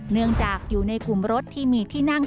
เนื่องจากอยู่ในกลุ่มรถที่มีที่นั่ง